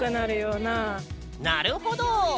なるほど。